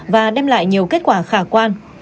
và đem lại nhiều kết quả khả quan